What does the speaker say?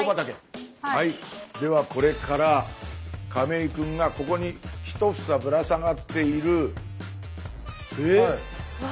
ではこれから亀井くんがここに１房ぶら下がっている。